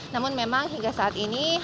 namun memang hingga saat ini